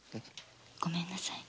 ごめんなさい。